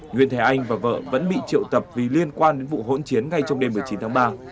nguyễn thế anh và vợ vẫn bị triệu tập vì liên quan đến vụ hỗn chiến ngay trong đêm một mươi chín tháng ba